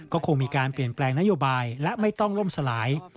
ก็คงมีการเปลี่ยนแปลงนโยบายและไม่ต้องล่มสลาย